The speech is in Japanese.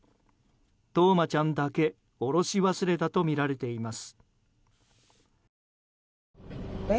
冬生ちゃんだけ降ろし忘れたとみられています。